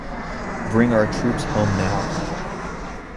Bring our Troops Home Now!